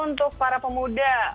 untuk para pemuda